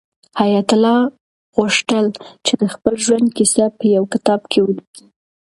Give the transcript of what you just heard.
حیات الله غوښتل چې د خپل ژوند کیسه په یو کتاب کې ولیکي.